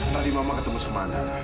tadi mama ketemu sama anak